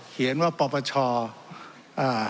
เขียนว่าประปราชา